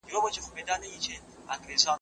بشریت باید د علم له لارې د الاهي هدایت لار ونیسي.